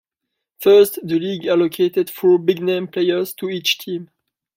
First, the league allocated four "big name" players to each team.